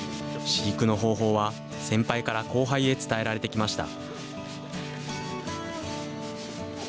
飼育の方法は、先輩から後輩へ伝えられてきました。